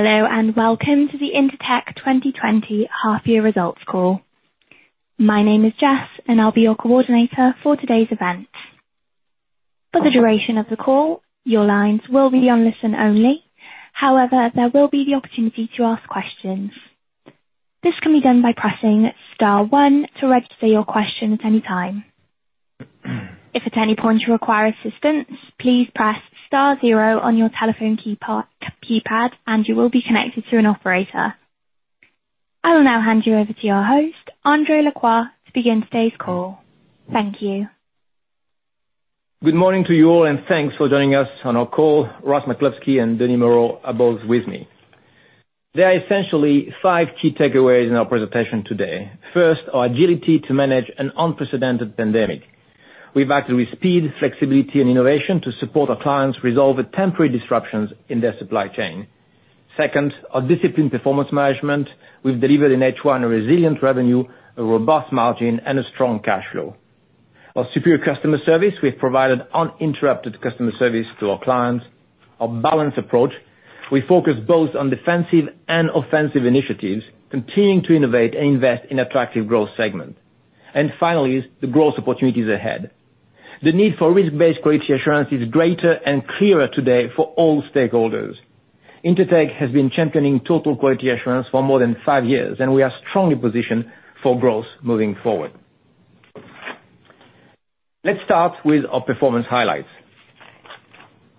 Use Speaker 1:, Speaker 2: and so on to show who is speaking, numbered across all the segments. Speaker 1: Hello, and welcome to the Intertek 2020 half-year results call. My name is Jess, and I'll be your coordinator for today's event. For the duration of the call, your lines will be on listen only. However, there will be the opportunity to ask questions. This can be done by pressing star one to register your question at any time. If at any point you require assistance, please press star zero on your telephone keypad, and you will be connected to an operator. I will now hand you over to your host, André Lacroix, to begin today's call. Thank you.
Speaker 2: Good morning to you all. Thanks for joining us on our call. Ross McCluskey and Denis Moreau are both with me. There are essentially five key takeaways in our presentation today. First, our agility to manage an unprecedented pandemic. We've acted with speed, flexibility, and innovation to support our clients resolve the temporary disruptions in their supply chain. Second, our disciplined performance management. We've delivered in H1 a resilient revenue, a robust margin, and a strong cash flow. Our superior customer service. We've provided uninterrupted customer service to our clients. Our balanced approach. We focus both on defensive and offensive initiatives, continuing to innovate and invest in attractive growth segments. Finally, the growth opportunities ahead. The need for risk-based quality assurance is greater and clearer today for all stakeholders. Intertek has been championing Total Quality Assurance for more than five years, and we are strongly positioned for growth moving forward. Let's start with our performance highlights.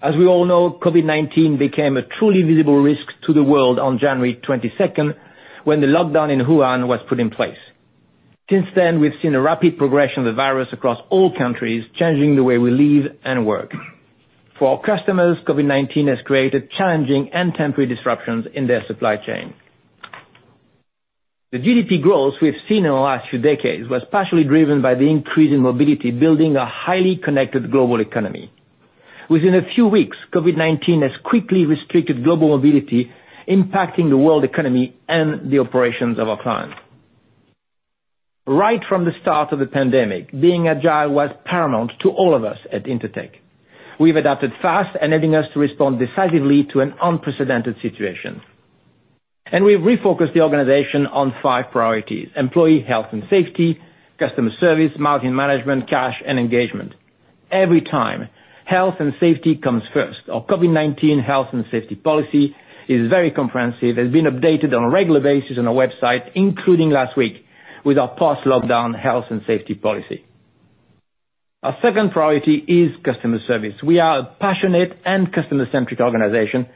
Speaker 2: As we all know, COVID-19 became a truly visible risk to the world on January 22nd when the lockdown in Wuhan was put in place. Since then, we've seen a rapid progression of the virus across all countries, changing the way we live and work. For our customers, COVID-19 has created challenging and temporary disruptions in their supply chain. The GDP growth we've seen in the last few decades was partially driven by the increase in mobility, building a highly connected global economy. Within a few weeks, COVID-19 has quickly restricted global mobility, impacting the world economy and the operations of our clients. Right from the start of the pandemic, being agile was paramount to all of us at Intertek. We've adapted fast, enabling us to respond decisively to an unprecedented situation. We've refocused the organization on five priorities: employee health and safety, customer service, margin management, cash, and engagement. Every time, health and safety comes first. Our COVID-19 health and safety policy is very comprehensive, has been updated on a regular basis on our website, including last week with our post-lockdown health and safety policy. Our second priority is customer service. We are a passionate and customer-centric organization,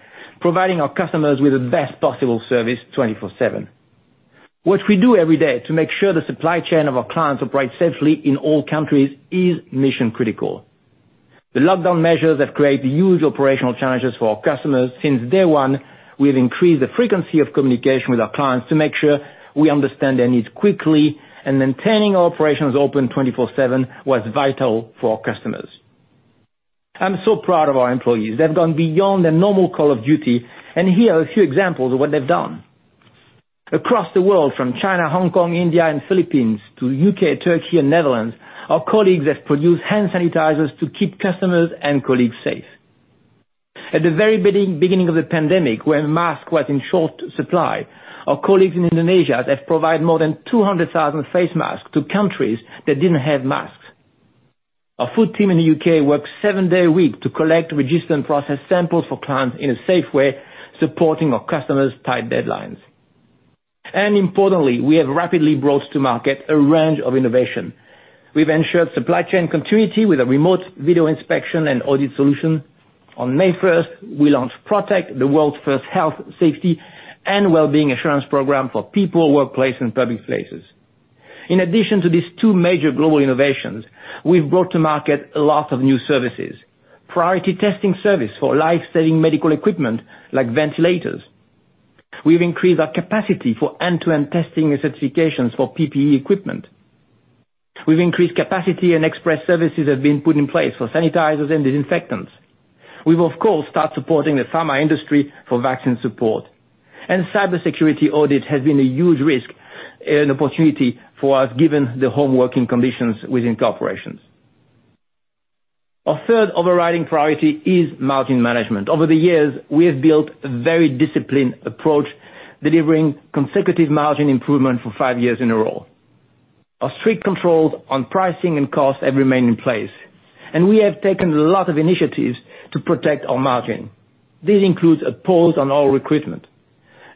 Speaker 2: providing our customers with the best possible service 24/7. What we do every day to make sure the supply chain of our clients operate safely in all countries is mission critical. The lockdown measures have created huge operational challenges for our customers. Since day one, we've increased the frequency of communication with our clients to make sure we understand their needs quickly, and maintaining our operations open 24/7 was vital for our customers. I'm so proud of our employees. They've gone beyond their normal call of duty, and here are a few examples of what they've done. Across the world from China, Hong Kong, India, and Philippines to U.K., Turkey, and Netherlands, our colleagues have produced hand sanitizers to keep customers and colleagues safe. At the very beginning of the pandemic, when masks was in short supply, our colleagues in Indonesia have provided more than 200,000 face masks to countries that didn't have masks. Our food team in the U.K. works seven-day a week to collect, register, and process samples for clients in a safe way, supporting our customers' tight deadlines. Importantly, we have rapidly brought to market a range of innovation. We've ensured supply chain continuity with a remote video inspection and audit solution. On May 1st, we launched Protek, the world's first health, safety, and wellbeing assurance program for people, workplace, and public places. In addition to these two major global innovations, we've brought to market a lot of new services. Priority testing service for life-saving medical equipment like ventilators. We've increased our capacity for end-to-end testing and certifications for PPE equipment. We've increased capacity and express services have been put in place for sanitizers and disinfectants. We've, of course, start supporting the pharma industry for vaccine support. Cybersecurity audit has been a huge risk and opportunity for us given the home working conditions within corporations. Our third overriding priority is margin management. Over the years, we have built a very disciplined approach, delivering consecutive margin improvement for five years in a row. Our strict controls on pricing and cost have remained in place, and we have taken a lot of initiatives to protect our margin. This includes a pause on all recruitment,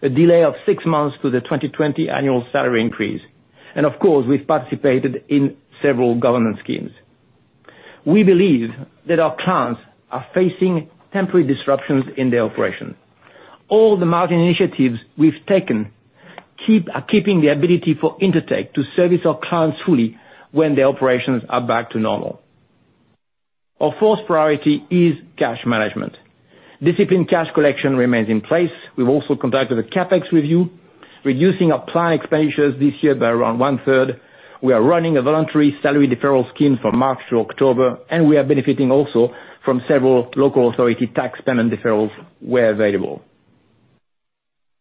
Speaker 2: a delay of six months to the 2020 annual salary increase, and of course, we've participated in several government schemes. We believe that our clients are facing temporary disruptions in their operation. All the margin initiatives we've taken are keeping the ability for Intertek to service our clients fully when the operations are back to normal. Our fourth priority is cash management. Disciplined cash collection remains in place. We've also conducted a CapEx review, reducing our planned expenditures this year by around one-third. We are running a voluntary salary deferral scheme from March through October, and we are benefiting also from several local authority tax payment deferrals where available.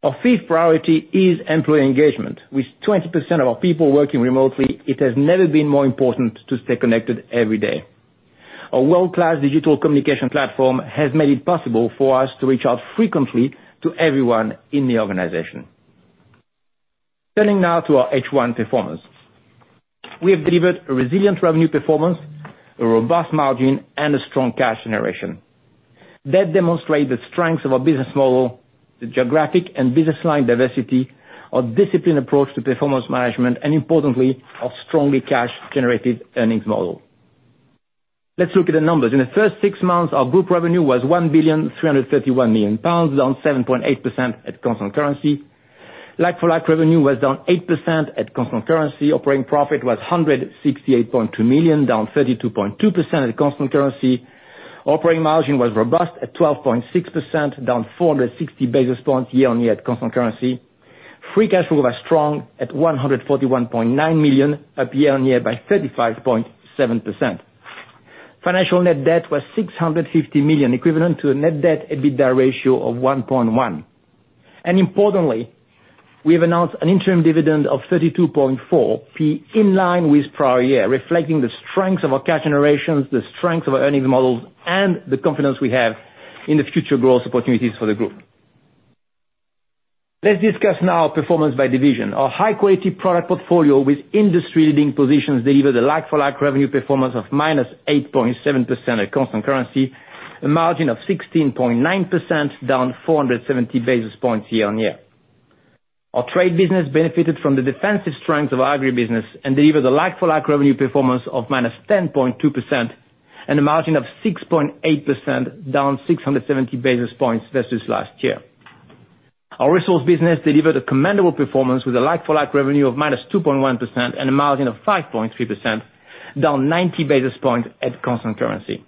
Speaker 2: Our fifth priority is employee engagement. With 20% of our people working remotely, it has never been more important to stay connected every day. Our world-class digital communication platform has made it possible for us to reach out frequently to everyone in the organization. Turning now to our H1 performance. We have delivered a resilient revenue performance, a robust margin, and a strong cash generation. That demonstrate the strengths of our business model, the geographic and business line diversity, our disciplined approach to performance management, and importantly, our strongly cash-generated earnings model. Let's look at the numbers. In the first six months, our group revenue was 1,331,000,000 pounds, down 7.8% at constant currency. Like-for-like revenue was down 8% at constant currency. Operating profit was 168.2 million, down 32.2% at constant currency. Operating margin was robust at 12.6%, down 460 basis points year-on-year at constant currency. Free cash flow was strong at 141.9 million, up year-on-year by 35.7%. Financial net debt was 650 million, equivalent to a net debt EBITDA ratio of 1.1. Importantly, we have announced an interim dividend of 0.324, in line with prior year, reflecting the strength of our cash generations, the strength of our earnings models, and the confidence we have in the future growth opportunities for the group. Let's discuss now performance by division. Our high-quality product portfolio with industry leading positions delivered a like-for-like revenue performance of -8.7% at constant currency, a margin of 16.9%, down 470 basis points year-on-year. Our trade business benefited from the defensive strength of our agri business and delivered a like-for-like revenue performance of -10.2% and a margin of 6.8%, down 670 basis points versus last year. Our resource business delivered a commendable performance with a like-for-like revenue of -2.1% and a margin of 5.3%, down 90 basis points at constant currency.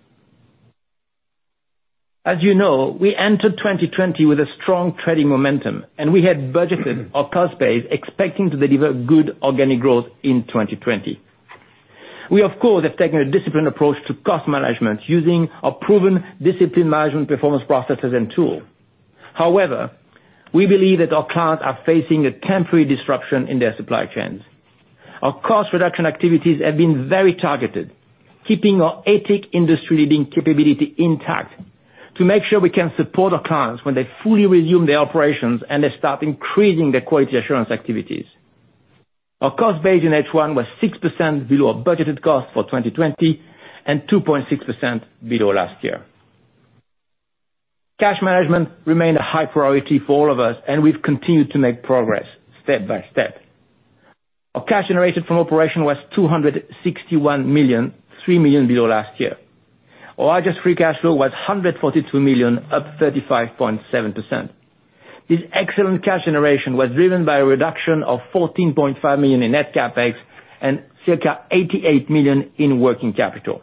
Speaker 2: As you know, we entered 2020 with a strong trading momentum, and we had budgeted our cost base expecting to deliver good organic growth in 2020. We, of course, have taken a disciplined approach to cost management using our proven discipline management performance processes and tool. However, we believe that our clients are facing a temporary disruption in their supply chains. Our cost reduction activities have been very targeted, keeping our Intertek industry-leading capability intact to make sure we can support our clients when they fully resume their operations and they start increasing their quality assurance activities. Our cost base in H1 was 6% below our budgeted cost for 2020 and 2.6% below last year. Cash management remained a high priority for all of us, and we've continued to make progress step by step. Our cash generated from operation was 261.3 million below last year. Our adjusted free cash flow was 142 million, up 35.7%. This excellent cash generation was driven by a reduction of 14.5 million in net CapEx and circa 88 million in working capital.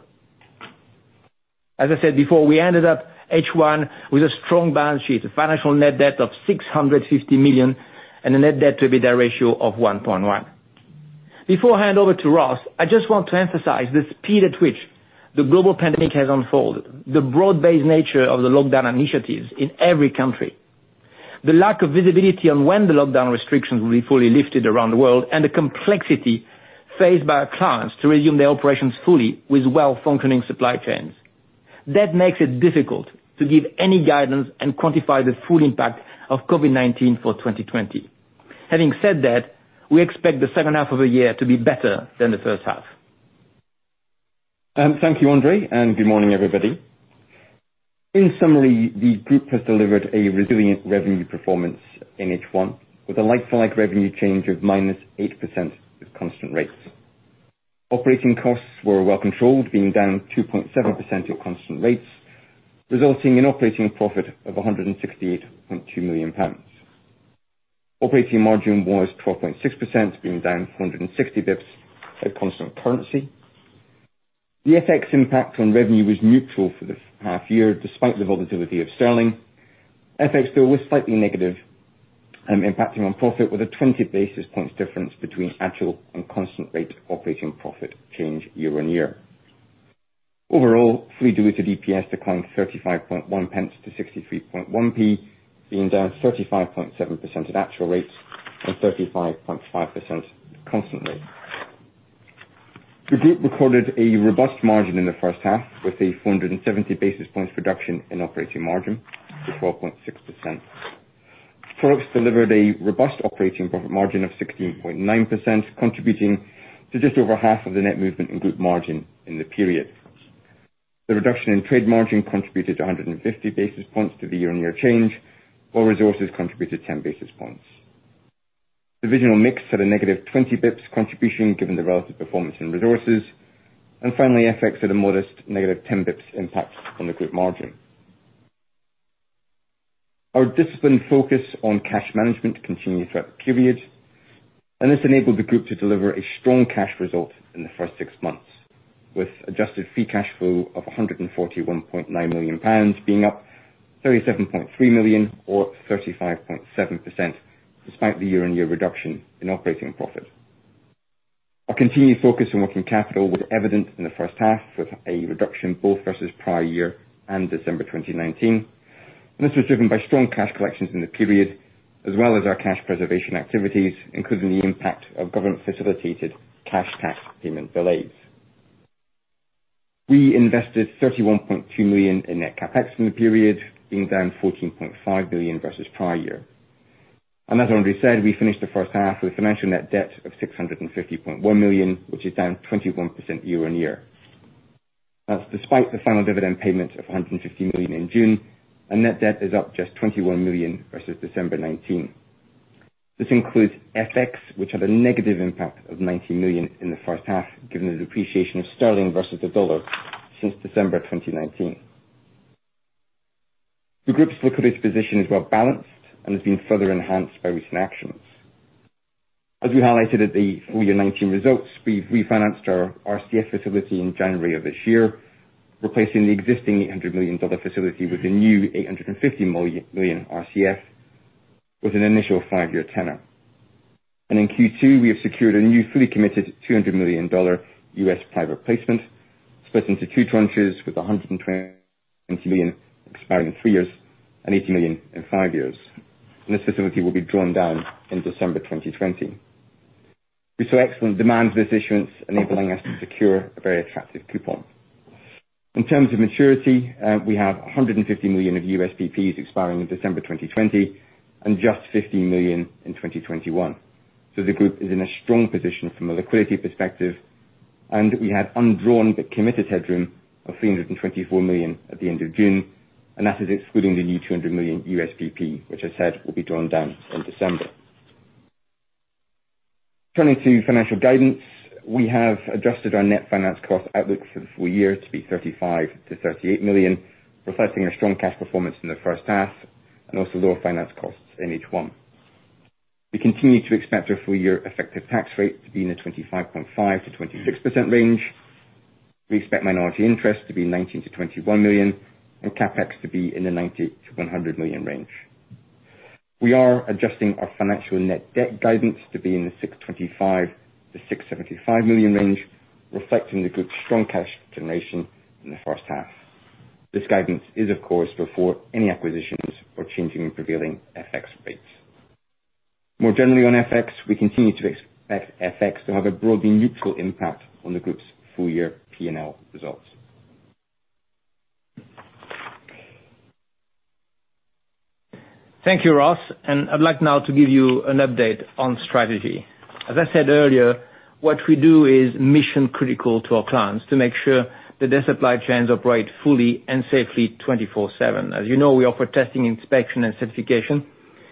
Speaker 2: As I said before, we ended up H1 with a strong balance sheet, a financial net debt of 650 million, and a net debt to EBITDA ratio of 1.1. Before I hand over to Ross, I just want to emphasize the speed at which the global pandemic has unfolded, the broad-based nature of the lockdown initiatives in every country, the lack of visibility on when the lockdown restrictions will be fully lifted around the world, and the complexity faced by our clients to resume their operations fully with well-functioning supply chains. That makes it difficult to give any guidance and quantify the full impact of COVID-19 for 2020. Having said that, we expect the second half of the year to be better than the first half.
Speaker 3: Thank you, André. Good morning, everybody. In summary, the group has delivered a resilient revenue performance in H1 with a like-for-like revenue change of -8% with constant rates. Operating costs were well controlled, being down 2.7% at constant rates, resulting in operating profit of 168.2 million pounds. Operating margin was 12.6%, being down 460 basis points at constant currency. The FX impact on revenue was neutral for the half year, despite the volatility of sterling. FX still was slightly negative, impacting on profit with a 20 basis points difference between actual and constant rate operating profit change year-on-year. Overall, fully diluted EPS declined 0.351-0.631, being down 35.7% at actual rates and 35.5% constantly. The group recorded a robust margin in the first half, with a 470 basis points reduction in operating margin to 12.6%. Products delivered a robust operating profit margin of 16.9%, contributing to just over half of the net movement in group margin in the period. The reduction in trade margin contributed 150 basis points to the year-on-year change, while resources contributed 10 basis points. Divisional mix at a negative 20 basis points contribution given the relative performance in resources. Finally, FX at a modest -10 basis points impact on the group margin. Our disciplined focus on cash management continued throughout the period, and this enabled the group to deliver a strong cash result in the first six months with adjusted free cash flow of 141.9 million pounds, being up 37.3 million or 35.7%, despite the year-on-year reduction in operating profit. Our continued focus on working capital was evident in the first half with a reduction both versus prior year and December 2019. This was driven by strong cash collections in the period, as well as our cash preservation activities, including the impact of government-facilitated cash tax payment delays. We invested 31.2 million in net CapEx in the period, being down 14.5 billion versus prior year. As André said, we finished the first half with financial net debt of 650.1 million, which is down 21% year-on-year. That's despite the final dividend payment of 150 million in June. Net debt is up just 21 million versus December 2019. This includes FX, which had a negative impact of 19 million in the first half, given the depreciation of sterling versus the US dollar since December 2019. The group's liquidity position is well-balanced and has been further enhanced by recent actions. As we highlighted at the full year 2019 results, we've refinanced our RCF facility in January of this year, replacing the existing GBP 800 million facility with a new 850 million RCF with an initial five-year tenor. In Q2, we have secured a new fully committed $200 million US private placement split into two tranches with $120 million expiring in three years and $80 million in five years. This facility will be drawn down in December 2020. We saw excellent demand for this issuance, enabling us to secure a very attractive coupon. In terms of maturity, we have $150 million of USPPs expiring in December 2020 and just $50 million in 2021. The group is in a strong position from a liquidity perspective, and we have undrawn but committed headroom of 324 million at the end of June, and that is excluding the new 200 million USPP, which I said will be drawn down in December. Turning to financial guidance, we have adjusted our net finance cost outlook for the full year to be 35 million-38 million, reflecting a strong cash performance in the first half and also lower finance costs in H1. We continue to expect our full year effective tax rate to be in the 25.5%-26% range. We expect minority interest to be 19 million-21 million, and CapEx to be in the 90 million-100 million range. We are adjusting our financial net debt guidance to be in the 625 million-675 million range, reflecting the group's strong cash generation in the first half. This guidance is of course before any acquisitions or changing prevailing FX rates. More generally on FX, we continue to expect FX to have a broadly neutral impact on the group's full year P&L results.
Speaker 2: Thank you, Ross. I'd like now to give you an update on strategy. As I said earlier, what we do is mission critical to our clients to make sure that their supply chains operate fully and safely 24/7. As you know, we offer testing, inspection, and certification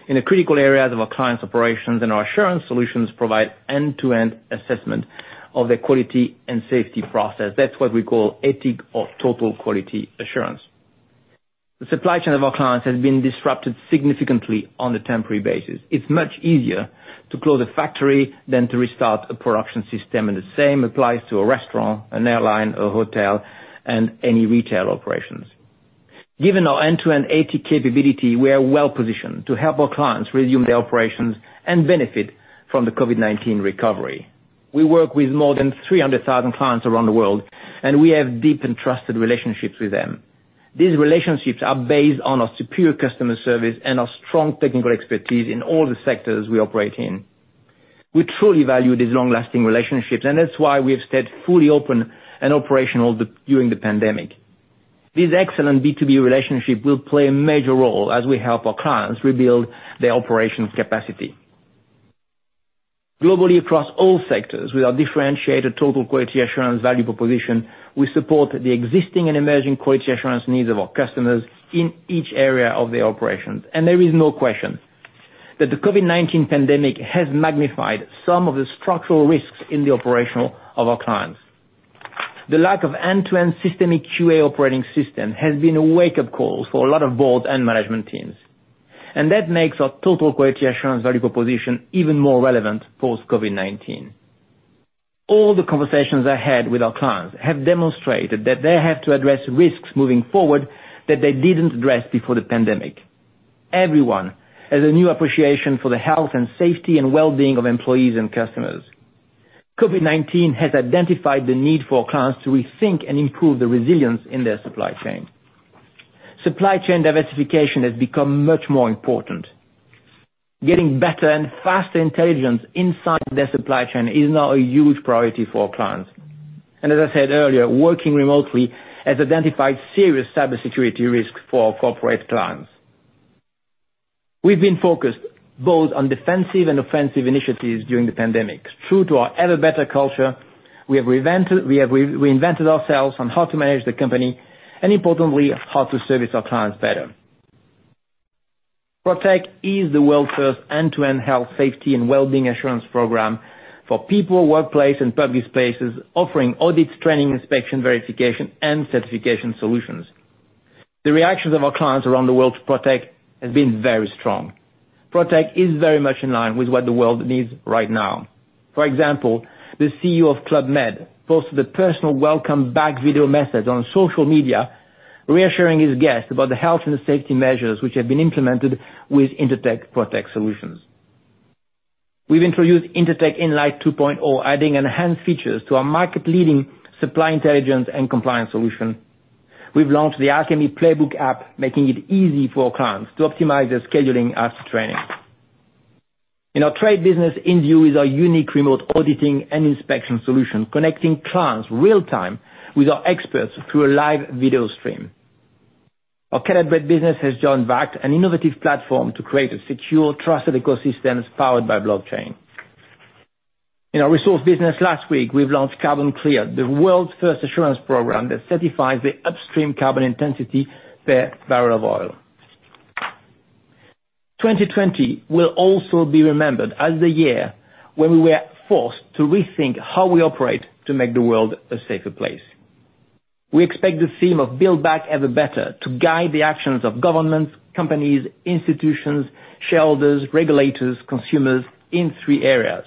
Speaker 2: in the critical areas of our clients' operations, and our assurance solutions provide end-to-end assessment of their quality and safety process. That's what we call ATIC or Total Quality Assurance. The supply chain of our clients has been disrupted significantly on a temporary basis. It's much easier to close a factory than to restart a production system, and the same applies to a restaurant, an airline, a hotel, and any retail operations. Given our end-to-end ATIC capability, we are well-positioned to help our clients resume their operations and benefit from the COVID-19 recovery. We work with more than 300,000 clients around the world, and we have deep and trusted relationships with them. These relationships are based on our superior customer service and our strong technical expertise in all the sectors we operate in. We truly value these long-lasting relationships, and that's why we have stayed fully open and operational during the pandemic. This excellent B2B relationship will play a major role as we help our clients rebuild their operations capacity. Globally, across all sectors, with our differentiated Total Quality Assurance value proposition, we support the existing and emerging quality assurance needs of our customers in each area of their operations. There is no question that the COVID-19 pandemic has magnified some of the structural risks in the operation of our clients. The lack of end-to-end systemic QA operating system has been a wake-up call for a lot of board and management teams, and that makes our Total Quality Assurance value proposition even more relevant post-COVID-19. All the conversations I had with our clients have demonstrated that they have to address risks moving forward that they didn't address before the pandemic. Everyone has a new appreciation for the health and safety and well-being of employees and customers. COVID-19 has identified the need for our clients to rethink and improve the resilience in their supply chain. Supply chain diversification has become much more important. Getting better and faster intelligence inside their supply chain is now a huge priority for our clients. As I said earlier, working remotely has identified serious cybersecurity risks for our corporate clients. We've been focused both on defensive and offensive initiatives during the pandemic. True to our ever better culture, we have reinvented ourselves on how to manage the company, and importantly, how to service our clients better. Protek is the world's first end-to-end health, safety, and wellbeing assurance program for people, workplace, and public spaces, offering audits, training, inspection, verification, and certification solutions. The reactions of our clients around the world to Protek has been very strong. Protek is very much in line with what the world needs right now. For example, the CEO of Club Med posted a personal welcome back video message on social media reassuring his guests about the health and safety measures which have been implemented with Intertek Protek solutions. We've introduced Intertek Inlight 2.0, adding enhanced features to our market-leading supply intelligence and compliance solution. We've launched the Alchemy Playbook app, making it easy for our clients to optimize their scheduling as to training. In our trade business, Inview is our unique remote auditing and inspection solution, connecting clients real-time with our experts through a live video stream. Our Caleb Brett business has joined VAKT, an innovative platform to create a secure, trusted ecosystems powered by blockchain. In our resource business last week, we've launched CarbonClear, the world's first assurance program that certifies the upstream carbon intensity per barrel of oil. 2020 will also be remembered as the year when we were forced to rethink how we operate to make the world a safer place. We expect the theme of build back ever better to guide the actions of governments, companies, institutions, shareholders, regulators, consumers in three areas.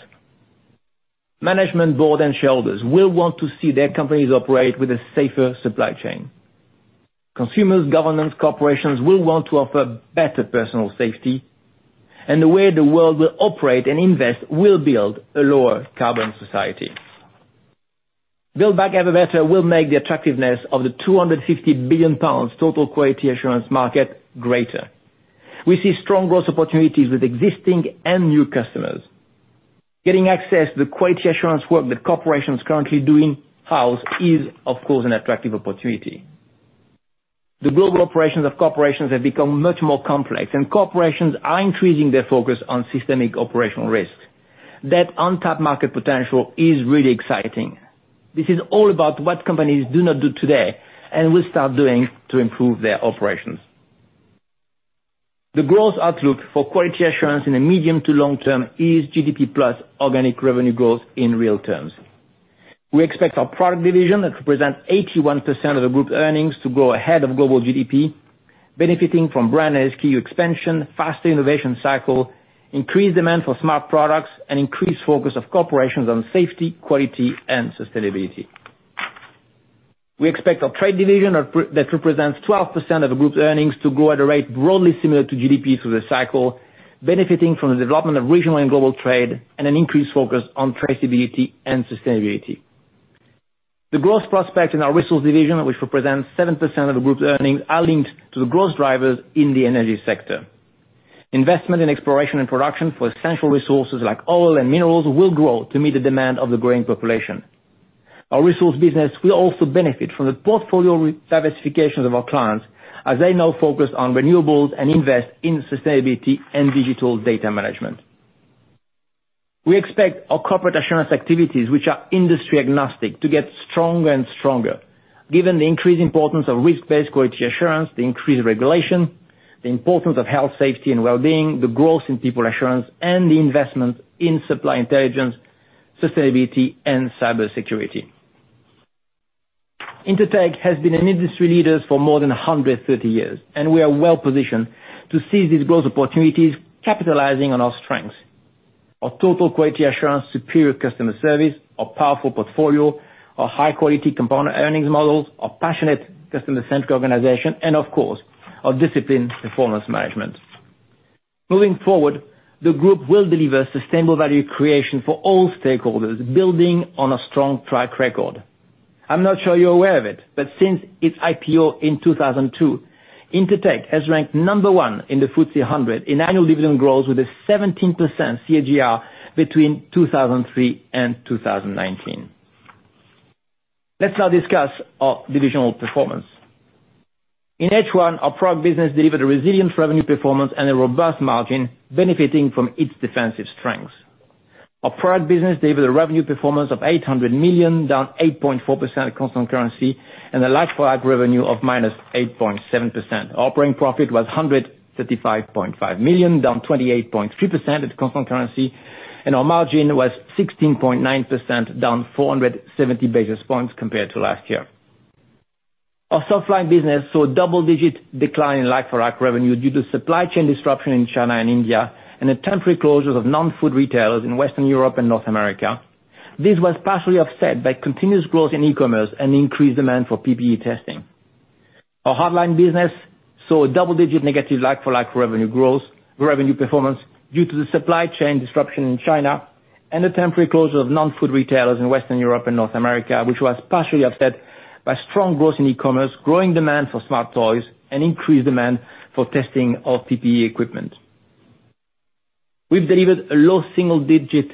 Speaker 2: Management board and shareholders will want to see their companies operate with a safer supply chain. Consumers, governments, corporations will want to offer better personal safety, and the way the world will operate and invest will build a lower carbon society. Build back ever better will make the attractiveness of the 250 billion pounds Total Quality Assurance market greater. We see strong growth opportunities with existing and new customers. Getting access to the quality assurance work that corporations currently doing in-house is, of course, an attractive opportunity. The global operations of corporations have become much more complex, and corporations are increasing their focus on systemic operational risks. That untapped market potential is really exciting. This is all about what companies do not do today and will start doing to improve their operations. The growth outlook for quality assurance in a medium to long term is GDP plus organic revenue growth in real terms. We expect our product division that represent 81% of the group earnings to grow ahead of global GDP, benefiting from brand SKU expansion, faster innovation cycle, increased demand for smart products, and increased focus of corporations on safety, quality, and sustainability. We expect our trade division that represents 12% of the group's earnings to grow at a rate broadly similar to GDP through the cycle, benefiting from the development of regional and global trade and an increased focus on traceability and sustainability. The growth prospect in our resource division, which represents 7% of the group's earnings, are linked to the growth drivers in the energy sector. Investment in exploration and production for essential resources like oil and minerals will grow to meet the demand of the growing population. Our resource business will also benefit from the portfolio re-diversifications of our clients as they now focus on renewables and invest in sustainability and digital data management. We expect our Corporate Assurance activities, which are industry agnostic, to get stronger and stronger given the increased importance of risk-based quality assurance, the increased regulation, the importance of health, safety, and well-being, the growth in People Assurance, and the investment in supply intelligence, sustainability, and cybersecurity. Intertek has been an industry leaders for more than 130 years, and we are well-positioned to seize these growth opportunities, capitalizing on our strengths. Our Total Quality Assurance, superior customer service, our powerful portfolio, our high-quality compounding earnings models, our passionate customer-centric organization, and of course, our disciplined performance management. Moving forward, the group will deliver sustainable value creation for all stakeholders, building on a strong track record. I'm not sure you're aware of it, since its IPO in 2002, Intertek has ranked number one in the FTSE 100 in annual dividend growth with a 17% CAGR between 2003 and 2019. Let's now discuss our divisional performance. In H1, our Product business delivered a resilient revenue performance and a robust margin benefiting from its defensive strengths. Our product business delivered a revenue performance of 800 million, down 8.4% at constant currency, and a like-for-like revenue of -8.7%. Operating profit was 135.5 million, down 28.3% at constant currency, and our margin was 16.9%, down 470 basis points compared to last year. Our supply business saw a double-digit decline in like-for-like revenue due to supply chain disruption in China and India, and the temporary closures of non-food retailers in Western Europe and North America. This was partially offset by continuous growth in e-commerce and increased demand for PPE testing. Our hardlines business saw a double-digit negative like-for-like revenue growth, revenue performance due to the supply chain disruption in China and the temporary closure of non-food retailers in Western Europe and North America, which was partially offset by strong growth in e-commerce, growing demand for smart toys, and increased demand for testing of PPE equipment. We've delivered a low single-digit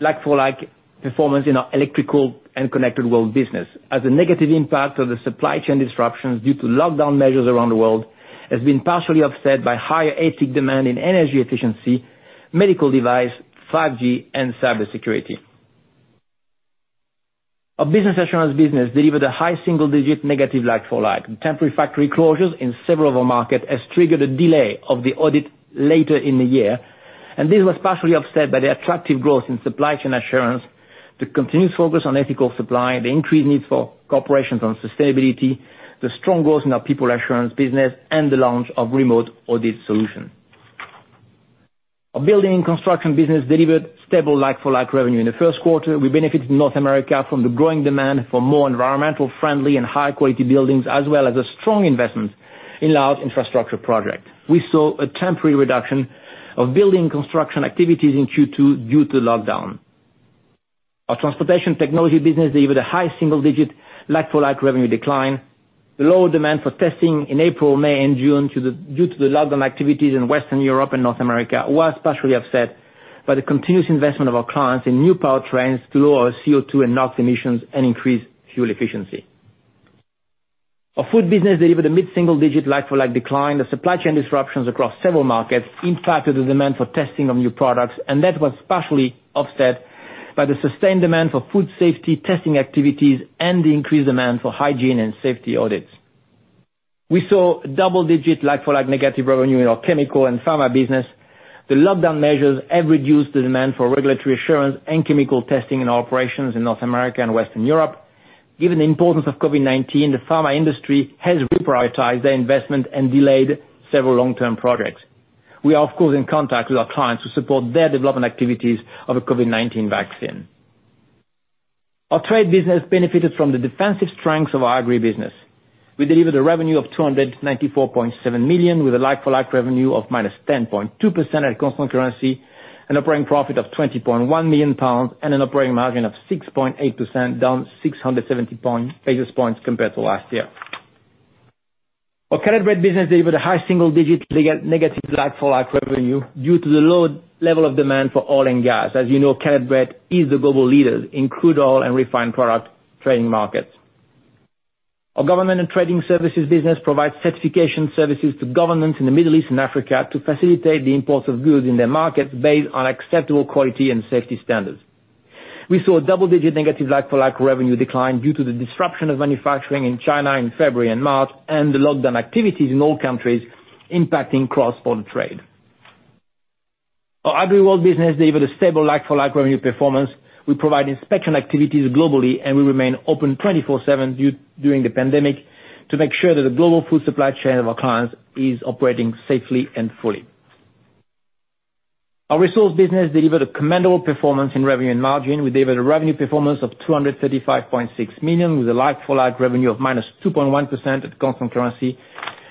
Speaker 2: like-for-like performance in our Electrical and Connected World business as a negative impact of the supply chain disruptions due to lockdown measures around the world has been partially offset by higher ATIC demand in energy efficiency, medical device, 5G, and cybersecurity. Our business assurance business delivered a high single-digit negative like-for-like. Temporary factory closures in several of our markets has triggered a delay of the audit later in the year. This was partially offset by the attractive growth in supply chain assurance, the continuous focus on ethical supply, the increased needs for corporations on sustainability, the strong growth in our people assurance business, and the launch of remote audit solution. Our building and construction business delivered stable like-for-like revenue. In the first quarter, we benefited North America from the growing demand for more environmentally friendly and high-quality buildings, as well as a strong investment in large infrastructure projects. We saw a temporary reduction of building construction activities in Q2 due to lockdown. Our transportation technology business delivered a high single-digit like-for-like revenue decline. The lower demand for testing in April, May, and June due to the lockdown activities in Western Europe and North America was partially offset by the continuous investment of our clients in new powertrains to lower our CO2 and NOx emissions and increase fuel efficiency. Our food business delivered a mid-single-digit like-for-like decline. The supply chain disruptions across several markets impacted the demand for testing of new products, and that was partially offset by the sustained demand for food safety testing activities and the increased demand for hygiene and safety audits. We saw double-digit like-for-like negative revenue in our chemical and pharma business. The lockdown measures have reduced the demand for regulatory assurance and chemical testing in our operations in North America and Western Europe. Given the importance of COVID-19, the pharma industry has reprioritized their investment and delayed several long-term projects. We are, of course, in contact with our clients to support their development activities of a COVID-19 vaccine. Our trade business benefited from the defensive strengths of our agri business. We delivered a revenue of 294.7 million, with a like-for-like revenue of -10.2% at constant currency, an operating profit of 20.1 million pounds, and an operating margin of 6.8%, down 670 basis points compared to last year. Our Caleb Brett business delivered a high single digit negative like-for-like revenue due to the low level of demand for oil and gas. As you know, Caleb Brett is the global leader in crude oil and refined product trading markets. Our Government and Trading Services business provides certification services to governments in the Middle East and Africa to facilitate the import of goods in their markets based on acceptable quality and safety standards. We saw a double-digit negative like-for-like revenue decline due to the disruption of manufacturing in China in February and March. The lockdown activities in all countries impacting cross-border trade. Our AgriWorld business delivered a stable like-for-like revenue performance. We provide inspection activities globally. We remain open 24/7 during the pandemic to make sure that the global food supply chain of our clients is operating safely and fully. Our resource business delivered a commendable performance in revenue and margin. We delivered a revenue performance of 235.6 million, with a like-for-like revenue of -2.1% at constant currency,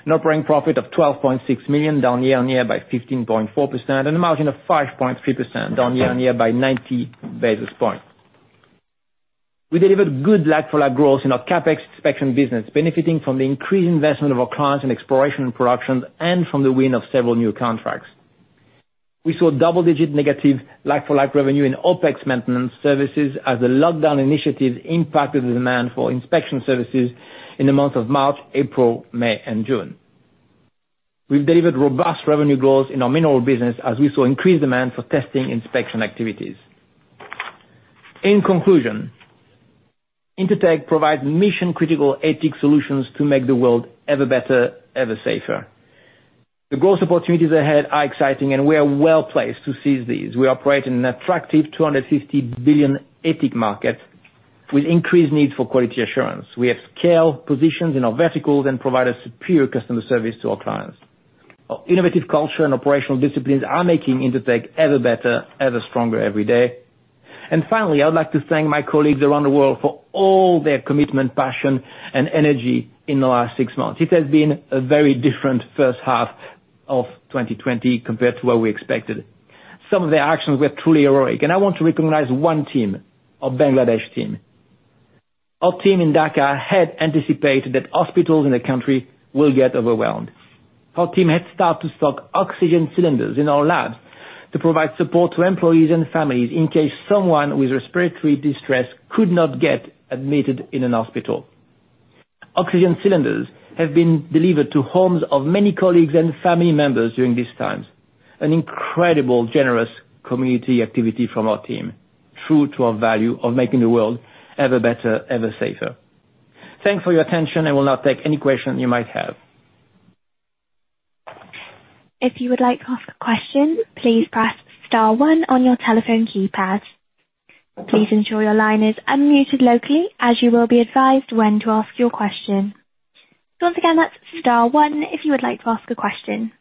Speaker 2: an operating profit of 12.6 million, down year-on-year by 15.4%, and a margin of 5.3%, down year-on-year by 90 basis points. We delivered good like-for-like growth in our CapEx inspection business, benefiting from the increased investment of our clients in exploration and production and from the win of several new contracts. We saw double-digit negative like-for-like revenue in OpEx maintenance services as the lockdown initiative impacted the demand for inspection services in the months of March, April, May, and June. We've delivered robust revenue growth in our mineral business as we saw increased demand for testing inspection activities. In conclusion, Intertek provides mission-critical ATIC solutions to make the world ever better, ever safer. The growth opportunities ahead are exciting. We are well-placed to seize these. We operate in an attractive 250 billion ATIC market with increased need for quality assurance. We have scale positions in our verticals. We provide a superior customer service to our clients. Our innovative culture and operational disciplines are making Intertek ever better, ever stronger every day. Finally, I would like to thank my colleagues around the world for all their commitment, passion, and energy in the last six months. It has been a very different first half of 2020 compared to what we expected. Some of their actions were truly heroic, I want to recognize one team, our Bangladesh team. Our team in Dhaka had anticipated that hospitals in the country will get overwhelmed. Our team had started to stock oxygen cylinders in our labs to provide support to employees and families in case someone with respiratory distress could not get admitted in a hospital. Oxygen cylinders have been delivered to homes of many colleagues and family members during these times. An incredible, generous community activity from our team, true to our value of making the world ever better, ever safer. Thanks for your attention. I will now take any question you might have.
Speaker 1: If you would like to ask a question, please press star one on your telephone keypad. Please ensure your line is unmuted locally as you will be advised when to ask your question. Once again, that's star one if you would like to ask a question.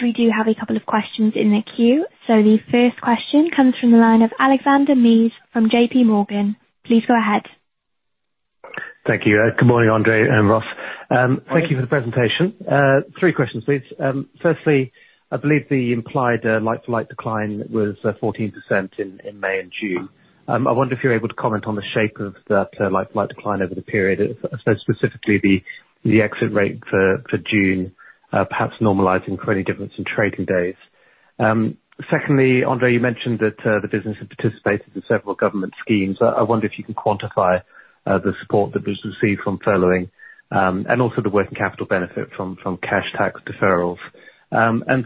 Speaker 1: We do have a couple of questions in the queue. The first question comes from the line of Alexander Mees from J.P. Morgan. Please go ahead.
Speaker 4: Thank you. Good morning, André and Ross. Thank you for the presentation. Three questions, please. Firstly, I believe the implied like-to-like decline was 14% in May and June. I wonder if you are able to comment on the shape of that like-to-like decline over the period, specifically the exit rate for June, perhaps normalizing for any difference in trading days. Secondly, André, you mentioned that the business had participated in several government schemes. I wonder if you can quantify the support the business received from furloughing, and also the working capital benefit from cash tax deferrals.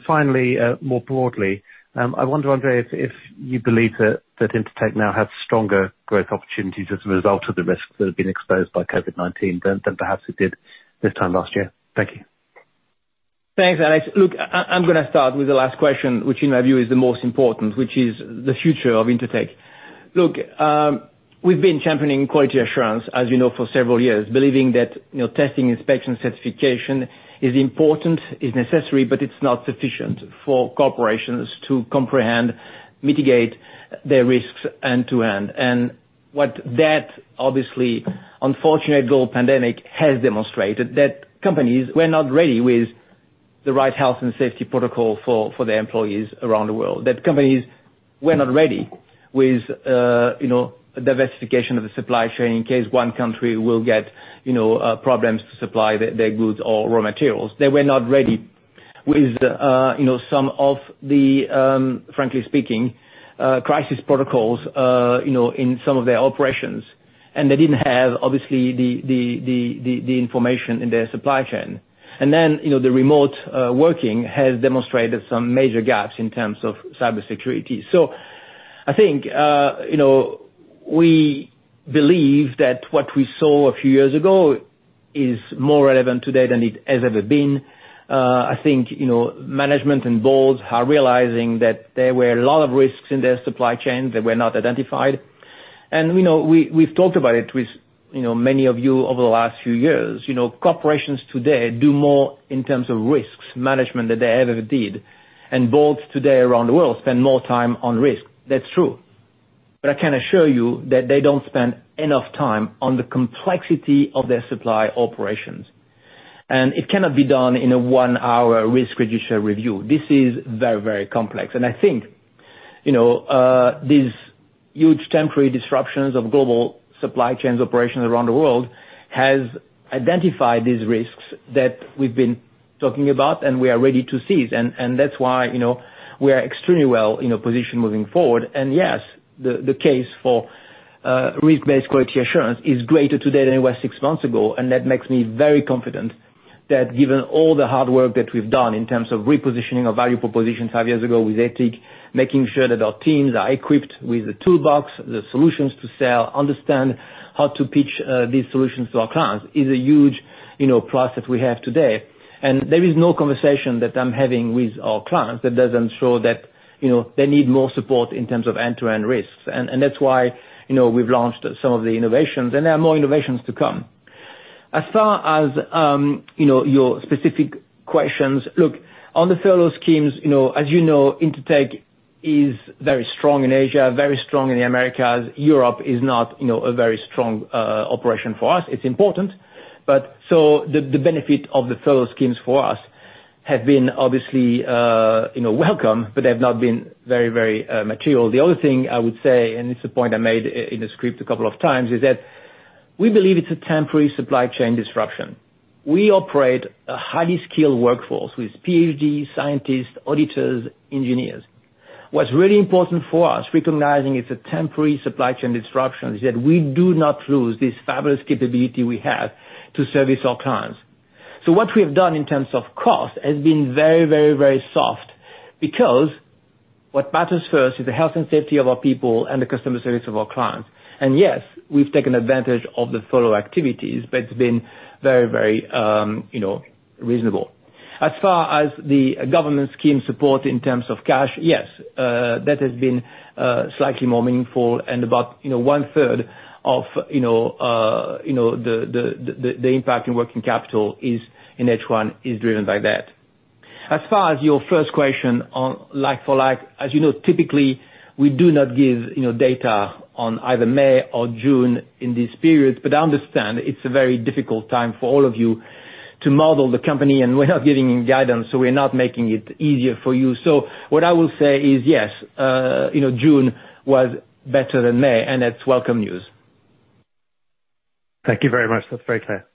Speaker 4: Finally, more broadly, I wonder, André, if you believe that Intertek now has stronger growth opportunities as a result of the risks that have been exposed by COVID-19 than perhaps it did this time last year. Thank you.
Speaker 2: Thanks, Alexander. Look, I'm going to start with the last question, which in my view is the most important, which is the future of Intertek. Look, we've been championing quality assurance, as you know, for several years, believing that testing, inspection, certification is important, is necessary, but it's not sufficient for corporations to comprehend, mitigate their risks end-to-end. What that obviously unfortunate global pandemic has demonstrated that companies were not ready with the right health and safety protocol for their employees around the world, that companies were not ready with diversification of the supply chain in case one country will get problems to supply their goods or raw materials. They were not ready with some of the, frankly speaking, crisis protocols in some of their operations, and they didn't have, obviously, the information in their supply chain. Then, the remote working has demonstrated some major gaps in terms of cybersecurity. I think, we believe that what we saw a few years ago is more relevant today than it has ever been. I think management and boards are realizing that there were a lot of risks in their supply chain that were not identified. We've talked about it with many of you over the last few years. Corporations today do more in terms of risks management than they ever did. Boards today around the world spend more time on risk. That's true. I can assure you that they don't spend enough time on the complexity of their supply operations. It cannot be done in a one-hour risk judicial review. This is very, very complex. I think these huge temporary disruptions of global supply chains operations around the world has identified these risks that we've been talking about, and we are ready to seize. That's why we are extremely well positioned moving forward. Yes, the case for risk-based quality assurance is greater today than it was six months ago, and that makes me very confident that given all the hard work that we've done in terms of repositioning our value proposition five years ago with ATIC, making sure that our teams are equipped with the toolbox, the solutions to sell, understand how to pitch these solutions to our clients, is a huge process we have today. There is no conversation that I'm having with our clients that doesn't show that they need more support in terms of end-to-end risks. That's why we've launched some of the innovations, and there are more innovations to come. As far as your specific questions, look, on the furlough schemes, as you know, Intertek is very strong in Asia, very strong in the Americas. Europe is not a very strong operation for us. It's important. The benefit of the furlough schemes for us have been obviously welcome, but they've not been very material. The other thing I would say, and it's a point I made in the script a couple of times, is that we believe it's a temporary supply chain disruption. We operate a highly skilled workforce with PhDs, scientists, auditors, engineers. What's really important for us, recognizing it's a temporary supply chain disruption, is that we do not lose this fabulous capability we have to service our clients. What we have done in terms of cost has been very soft, because what matters first is the health and safety of our people and the customer service of our clients. Yes, we've taken advantage of the furlough activities, but it's been very reasonable. The government scheme support in terms of cash, yes, that has been slightly more meaningful and about one-third of the impact in working capital in H1 is driven by that. Your first question on like-for-like, as you know, typically, we do not give data on either May or June in these periods, but I understand it's a very difficult time for all of you to model the company, and we're not giving you guidance, so we're not making it easier for you. What I will say is, yes, June was better than May, and that's welcome news.
Speaker 4: Thank you very much. That's very clear.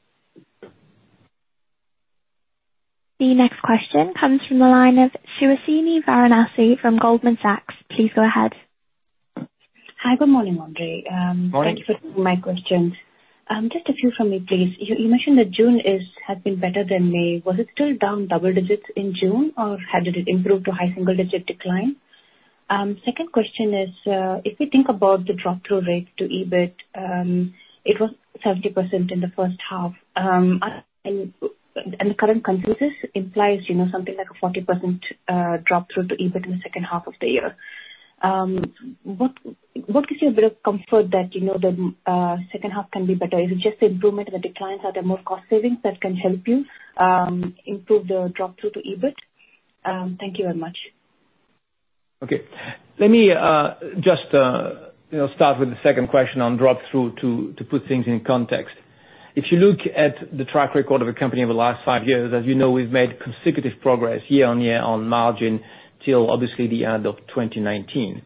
Speaker 1: The next question comes from the line of Suhasini Varanasi from Goldman Sachs. Please go ahead.
Speaker 5: Hi, good morning, André.
Speaker 2: Morning.
Speaker 5: Thank you for taking my questions. Just a few from me, please. You mentioned that June has been better than May. Was it still down double digits in June, or had it improved to high single-digit decline? Second question is, if we think about the drop-through rate to EBIT, it was 70% in the first half. The current consensus implies something like a 40% drop-through to EBIT in the second half of the year. What gives you a bit of comfort that the second half can be better? Is it just the improvement of the declines? Are there more cost savings that can help you improve the drop-through to EBIT? Thank you very much.
Speaker 2: Okay. Let me just start with the second question on drop-through to put things in context. If you look at the track record of the company over the last five years, as you know, we've made consecutive progress year-on-year on margin till obviously the end of 2019.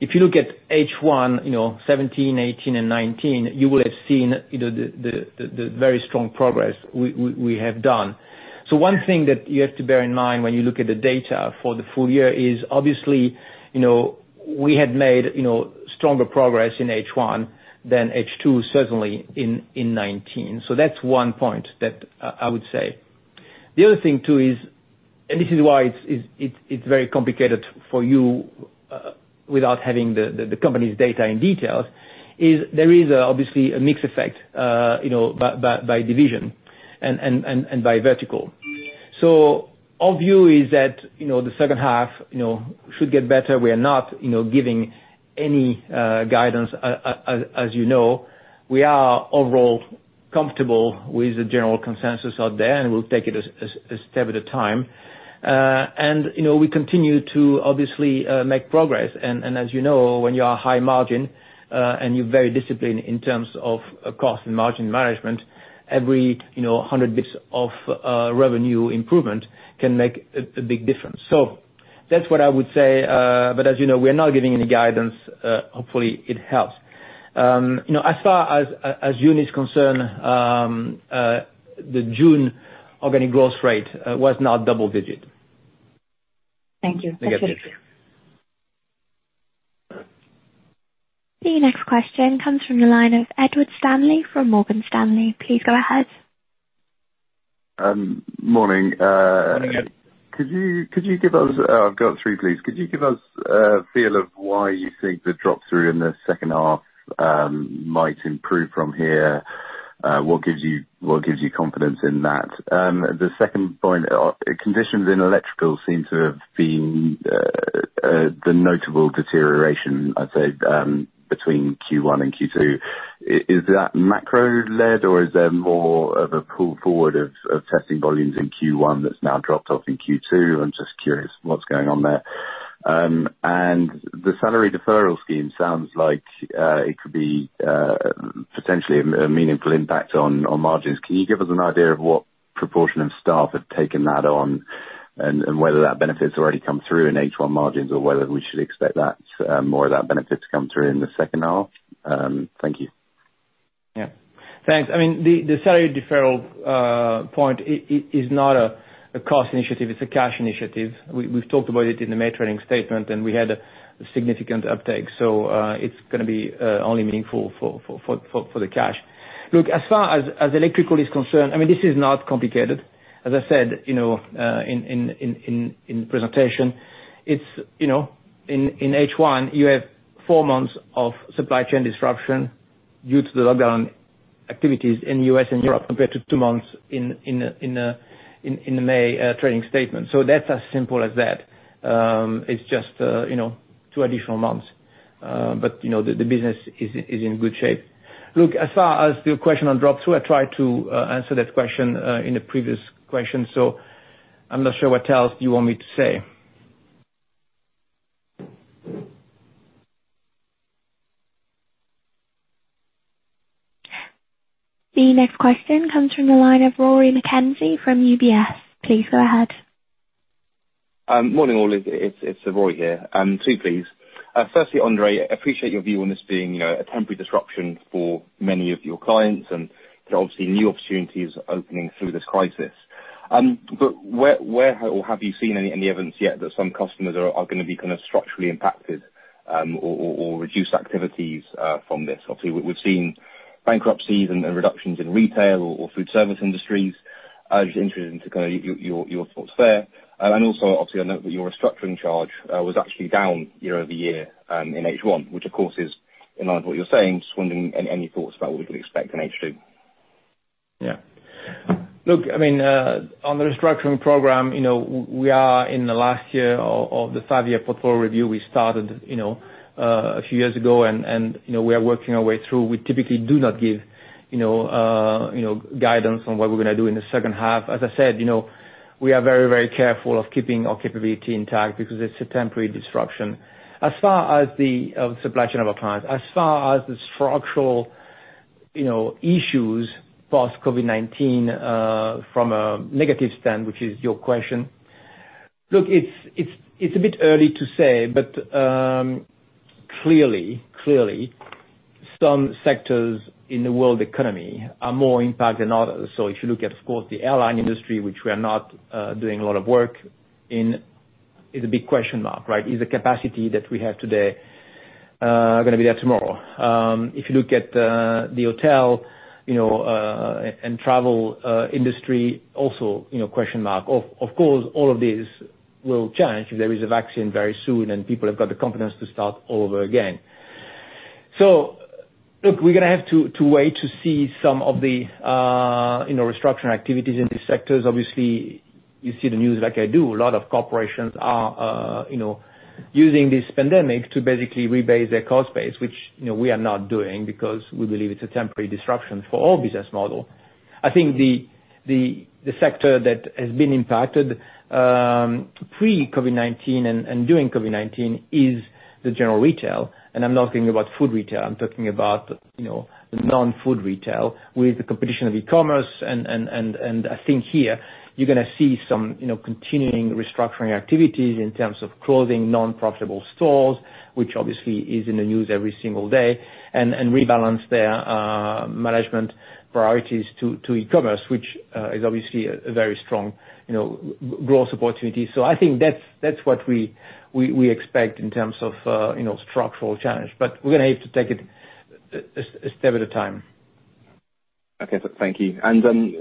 Speaker 2: If you look at H1 2017, 2018, and 2019, you will have seen the very strong progress we have done. One thing that you have to bear in mind when you look at the data for the full year is obviously, we had made stronger progress in H1 than H2, certainly in 2019. That's one point that I would say. The other thing too is, and this is why it's very complicated for you without having the company's data in details, is there is obviously a mix effect by division and by vertical. Our view is that the second half should get better. We are not giving any guidance, as you know. We are overall comfortable with the general consensus out there, and we'll take it a step at a time. We continue to obviously make progress. As you know, when you are high margin and you're very disciplined in terms of cost and margin management, every 100 basis points of revenue improvement can make a big difference. That's what I would say, but as you know, we are not giving any guidance. Hopefully, it helps. As far as June is concerned, the June organic growth rate was not double-digit.
Speaker 5: Thank you. That's clear.
Speaker 2: Thank you.
Speaker 1: The next question comes from the line of Edward Stanley from Morgan Stanley. Please go ahead.
Speaker 6: Morning.
Speaker 2: Morning.
Speaker 6: I've got three, please. Could you give us a feel of why you think the drop-through in the second half might improve from here? What gives you confidence in that? The second point, conditions in Electrical seem to have been the notable deterioration, I'd say, between Q1 and Q2. Is that macro led or is there more of a pull forward of testing volumes in Q1 that's now dropped off in Q2? I'm just curious what's going on there. The salary deferral scheme sounds like it could be potentially a meaningful impact on margins. Can you give us an idea of what proportion of staff have taken that on, and whether that benefit's already come through in H1 margins, or whether we should expect more of that benefit to come through in the second half? Thank you.
Speaker 2: Thanks. The salary deferral point is not a cost initiative, it's a cash initiative. We've talked about it in the May trading statement, and we had a significant uptake. It's going to be only meaningful for the cash. Look, as far as Electrical is concerned, this is not complicated. As I said in the presentation, in H1 you have four months of supply chain disruption due to the lockdown activities in U.S. and Europe compared to two months in the May trading statement. That's as simple as that. It's just two additional months. The business is in good shape. Look, as far as your question on drop two, I tried to answer that question in the previous question, so I'm not sure what else you want me to say.
Speaker 1: The next question comes from the line of Rory McKenzie from UBS. Please go ahead.
Speaker 7: Morning, all. It's Rory here. Two, please. Firstly, André, appreciate your view on this being a temporary disruption for many of your clients and obviously new opportunities opening through this crisis. Where or have you seen any evidence yet that some customers are going to be structurally impacted or reduce activities from this? Obviously, we've seen bankruptcies and reductions in retail or food service industries. I'm just interested into your thoughts there. Obviously, I note that your restructuring charge was actually down year-over-year in H1, which of course is in line with what you're saying, just wondering any thoughts about what we could expect in H2.
Speaker 2: Yeah. Look, on the restructuring program, we are in the last year of the five-year portfolio review we started a few years ago, and we are working our way through. We typically do not give guidance on what we're going to do in the second half. As I said, we are very careful of keeping our capability intact because it's a temporary disruption of supply chain of our clients. As far as the structural issues, post COVID-19 from a negative stand, which is your question. Look, it's a bit early to say, but clearly, some sectors in the world economy are more impacted than others. If you look at, of course, the airline industry, which we are not doing a lot of work in, is a big question mark, right? Is the capacity that we have today going to be there tomorrow? If you look at the hotel and travel industry also question mark. Of course, all of this will change if there is a vaccine very soon and people have got the confidence to start all over again. Look, we're going to have to wait to see some of the restructuring activities in these sectors. Obviously, you see the news like I do. A lot of corporations are using this pandemic to basically rebase their cost base, which we are not doing because we believe it's a temporary disruption for our business model. I think the sector that has been impacted pre-COVID-19 and during COVID-19 is the general retail. I'm not talking about food retail, I'm talking about the non-food retail with the competition of e-commerce. I think here you're going to see some continuing restructuring activities in terms of closing non-profitable stores, which obviously is in the news every single day, and rebalance their management priorities to e-commerce, which is obviously a very strong growth opportunity. I think that's what we expect in terms of structural challenge. We're going to have to take it a step at a time.
Speaker 7: Okay. Thank you.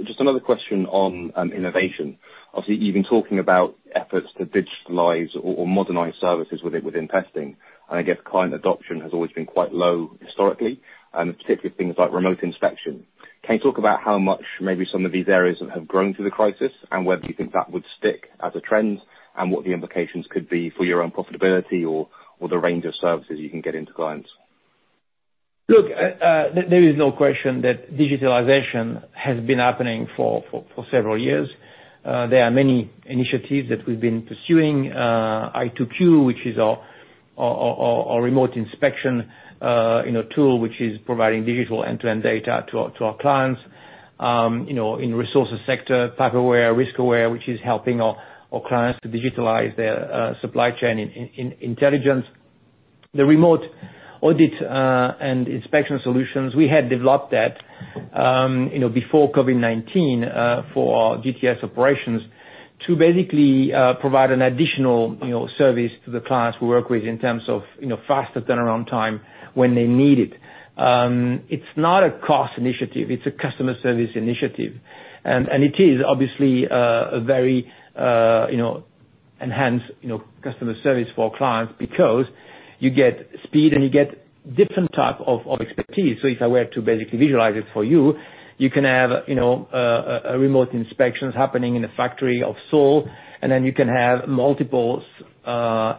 Speaker 7: Just another question on innovation. Obviously, you've been talking about efforts to digitalize or modernize services within testing, and I guess client adoption has always been quite low historically, and particularly things like remote inspection. Can you talk about how much maybe some of these areas have grown through the crisis? Whether you think that would stick as a trend, and what the implications could be for your own profitability or the range of services you can get into clients?
Speaker 2: Look, there is no question that digitalization has been happening for several years. There are many initiatives that we've been pursuing. i2Q, which is our remote inspection tool, which is providing digital end-to-end data to our clients. In resources sector, PipeAware, RiskAware, which is helping our clients to digitalize their supply chain intelligence. The remote audit and inspection solutions, we had developed that before COVID-19 for our GTS operations to basically provide an additional service to the clients we work with in terms of faster turnaround time when they need it. It's not a cost initiative, it's a customer service initiative. It is obviously a very enhanced customer service for clients because you get speed and you get different type of expertise. If I were to basically visualize it for you can have remote inspections happening in a factory of Seoul, and then you can have multiples,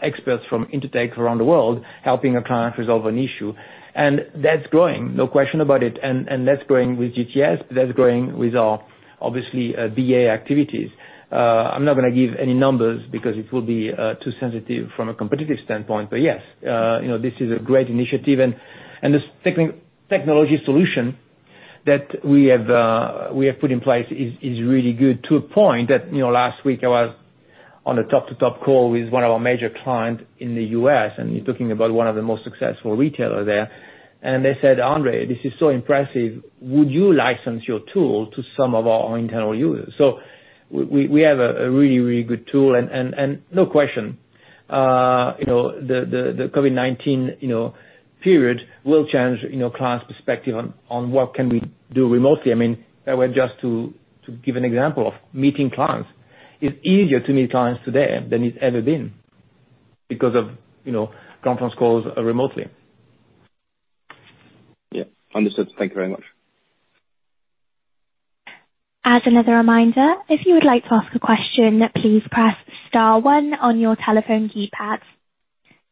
Speaker 2: experts from Intertek around the world helping a client resolve an issue. That's growing, no question about it. That's growing with GTS, that's growing with our, obviously, BA activities. I'm not going to give any numbers because it will be too sensitive from a competitive standpoint. Yes, this is a great initiative, and the technology solution that we have put in place is really good to a point that last week I was on a top-to-top call with one of our major client in the U.S., and you're talking about one of the most successful retailer there. They said, "André, this is so impressive. Would you license your tool to some of our internal users?" We have a really good tool and no question, the COVID-19 period will change client's perspective on what can we do remotely. To give an example of meeting clients. It's easier to meet clients today than it's ever been because of conference calls remotely.
Speaker 7: Yeah. Understood. Thank you very much.
Speaker 1: As another reminder, if you would like to ask a question, please press star one on your telephone key pad.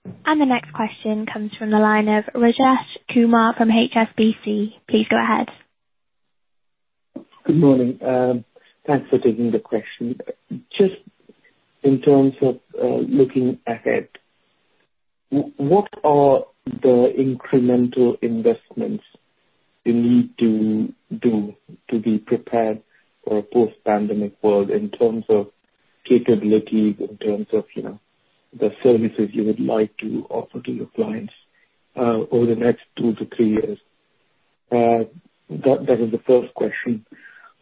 Speaker 1: The next question comes from the line of Rajesh Kumar from HSBC. Please go ahead.
Speaker 8: Good morning. Thanks for taking the question. Just in terms of looking ahead, what are the incremental investments you need to do to be prepared for a post-pandemic world in terms of capabilities, in terms of the services you would like to offer to your clients over the next two to three years? That was the first question.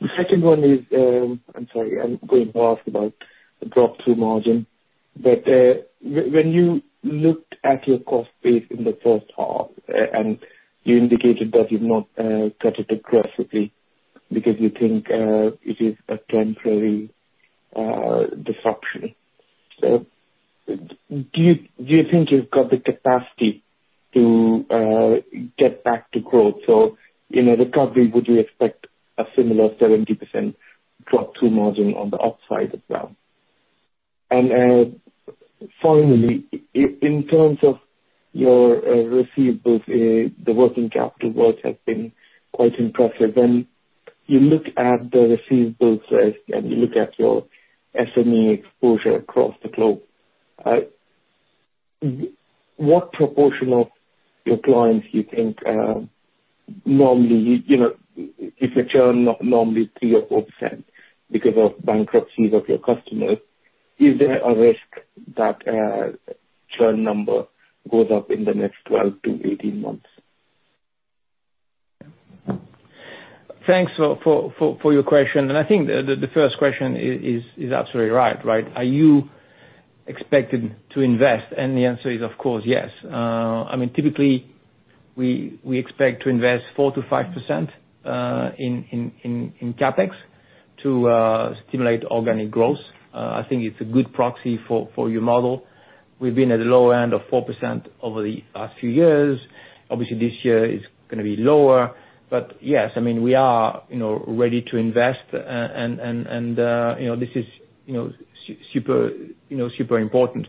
Speaker 8: The second one is I'm sorry, I'm going to ask about the drop-through margin. When you looked at your cost base in the first half, and you indicated that you've not cut it aggressively because you think it is a temporary disruption. Do you think you've got the capacity to get back to growth? In a recovery, would you expect a similar 70% drop-through margin on the upside as well? Finally, in terms of your receivables, the working capital work has been quite impressive. When you look at the receivables and you look at your SME exposure across the globe, what proportion of your clients you think normally if you churn normally 3% or 4% because of bankruptcies of your customers, is there a risk that churn number goes up in the next 12-18 months?
Speaker 2: Thanks for your question. I think the first question is absolutely right. Are you expected to invest? The answer is, of course, yes. Typically, we expect to invest 4%-5% in CapEx to stimulate organic growth. I think it's a good proxy for your model. We've been at the low end of 4% over the last few years. Obviously, this year is going to be lower. Yes, we are ready to invest, and this is super important.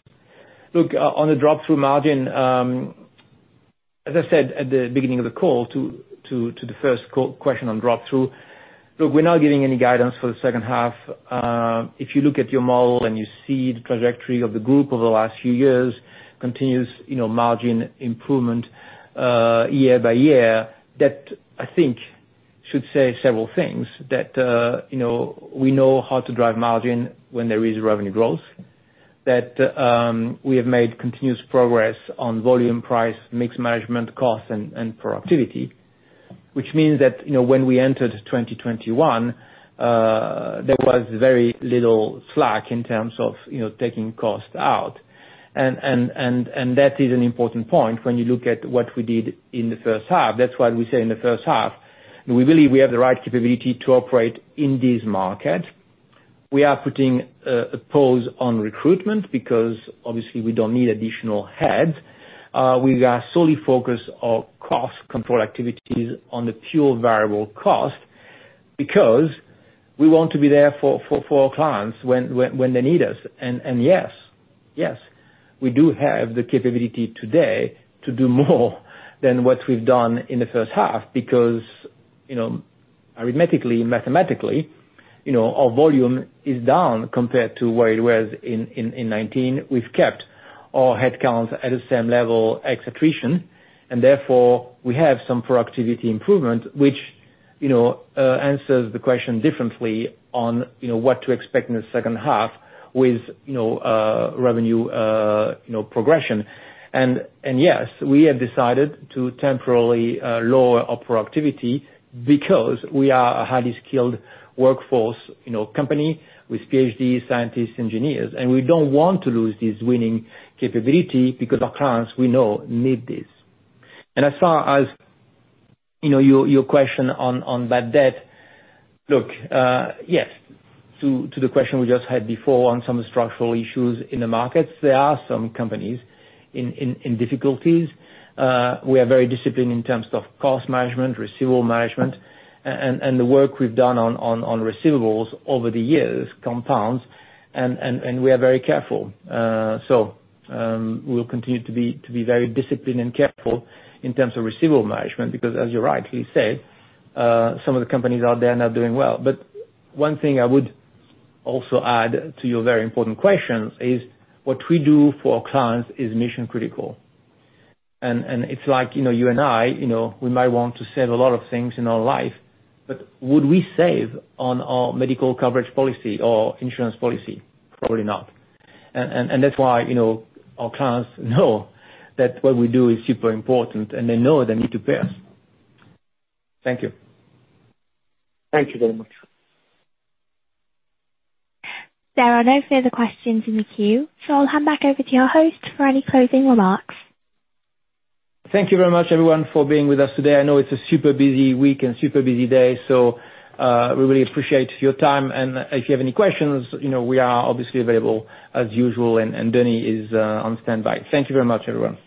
Speaker 2: Look, on the drop-through margin, as I said at the beginning of the call to the first question on drop-through, look, we're not giving any guidance for the second half. If you look at your model and you see the trajectory of the group over the last few years, continuous margin improvement year by year, that I think should say several things. That we know how to drive margin when there is revenue growth, that we have made continuous progress on volume price, mix management costs and productivity. Which means that when we entered 2021, there was very little slack in terms of taking cost out. That is an important point when you look at what we did in the first half. That's why we say in the first half, we believe we have the right capability to operate in this market. We are putting a pause on recruitment because obviously we don't need additional heads. We are solely focused on cost control activities on the pure variable cost. Because we want to be there for our clients when they need us. Yes, we do have the capability today to do more than what we've done in the first half because arithmetically, mathematically, our volume is down compared to where it was in 2019. We've kept our headcounts at the same level ex attrition, and therefore, we have some productivity improvement, which answers the question differently on what to expect in the second half with revenue progression. Yes, we have decided to temporarily lower our productivity because we are a highly skilled workforce company with PhDs, scientists, engineers, and we don't want to lose this winning capability because our clients, we know, need this. As far as your question on bad debt. Look, yes, to the question we just had before on some structural issues in the markets, there are some companies in difficulties. We are very disciplined in terms of cost management, receivable management, and the work we've done on receivables over the years compounds, and we are very careful. We'll continue to be very disciplined and careful in terms of receivable management because, as you rightly said, some of the companies out there are not doing well. One thing I would also add to your very important question is what we do for our clients is mission-critical. It's like you and I, we might want to save a lot of things in our life, but would we save on our medical coverage policy or insurance policy? Probably not. That's why our clients know that what we do is super important, and they know they need to pay us. Thank you.
Speaker 8: Thank you very much.
Speaker 1: There are no further questions in the queue, so I'll hand back over to your host for any closing remarks.
Speaker 2: Thank you very much, everyone, for being with us today. I know it's a super busy week and super busy day, so we really appreciate your time. If you have any questions, we are obviously available as usual, and Denis is on standby. Thank you very much, everyone.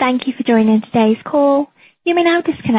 Speaker 1: Thank you for joining today's call. You may now disconnect.